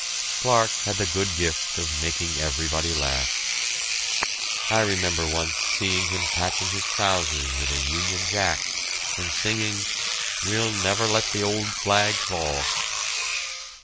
Clarke had the good gift of making everybody laugh. I remember once seeing him patching his trousers with a Union Jack, and singing, "We'll never let the Old Flag fall!"